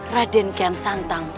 raden kian santang